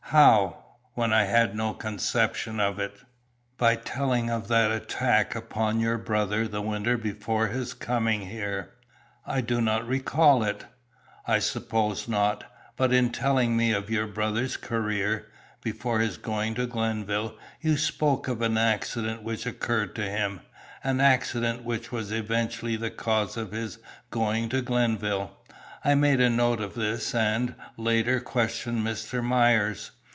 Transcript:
"How? when I had no conception of it?" "By telling of that attack upon your brother the winter before his coming here." "I do not recall it." "I suppose not; but in telling me of your brother's career, before his going to Glenville, you spoke of an accident which occurred to him, an accident which was eventually the cause of his going to Glenville. I made a note of this, and, later, questioned Mr. Myers.